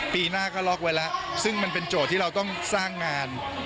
ปีหน้าก็ล็อกไว้แล้วซึ่งมันเป็นโจทย์ที่เราต้องสร้างงาน